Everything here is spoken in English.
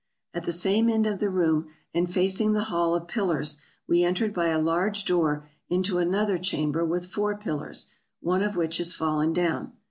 At the same end of the room, and facing the Hall of Pil lars, we entered by a large door into another chamber with four pillars, one of which is fallen down.